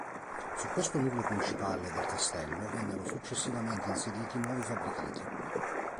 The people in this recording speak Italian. Su questo nucleo principale del castello vennero successivamente inseriti nuovi fabbricati.